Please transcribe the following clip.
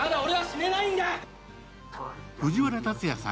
藤原竜也さん